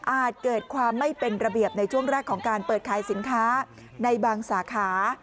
เกิดความไม่เป็นระเบียบในช่วงแรกของการเปิดขายสินค้าในบางสาขา